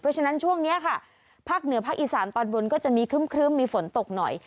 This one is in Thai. เพราะฉะนั้นช่วงนี้ค่ะภาคเหนือภาคอีสานตอนบนก็จะมีครึ่มมีฝนตกหน่อย